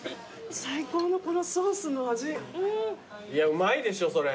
うまいでしょそれ。